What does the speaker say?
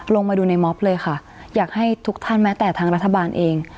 ลงมาดูในม็อบเลยค่ะอยากให้ทุกท่านแม้แต่ทางรัฐบาลเอง